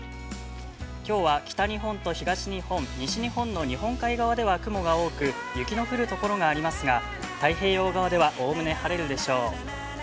きょうは日本海側で、西日本の日本海側では雲が多く雪の降るところがありますが太平洋側では、おおむね晴れるでしょう。